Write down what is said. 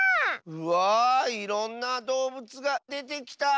うわいろんなどうぶつがでてきた！